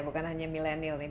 bukan hanya milenial nih